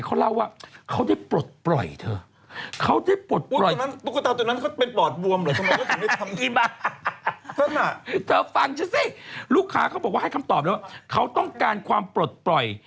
เธอฟังฉันสิลูกค้าเขาบอกว่าให้คำตอบเลยว่าเขาต้องการความปลดปล่อย